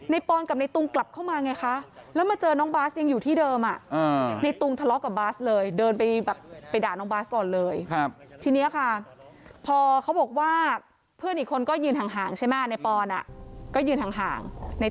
ในปอนด์กับในตรงกลับเข้ามาไง